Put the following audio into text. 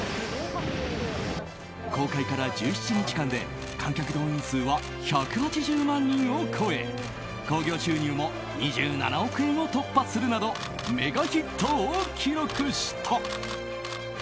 公開から１７日間で観客動員数は１８０万人を超え興行収入も２７億円を突破するなどメガヒットを記録した。